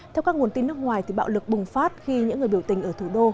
theo các nguồn tin nước ngoài bạo lực bùng phát khi những người biểu tình ở thủ đô